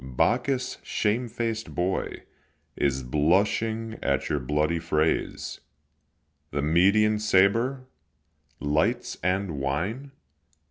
Bacchus, shamefaced boy, Is blushing at your bloody frays. The Median sabre! lights and wine!